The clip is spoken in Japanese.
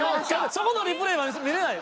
そこのリプレイは見れない？